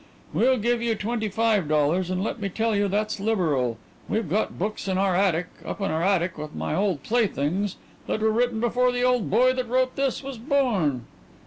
We'll give you twenty five dollars, and let me tell you that's liberal. We've got books in our attic, up in our attic with my old play things, that were written before the old boy that wrote this was born."